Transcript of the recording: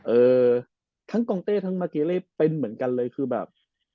เออทั้งกองเต้ทั้งมาเกเล่เป็นเหมือนกันเลยคือแบบ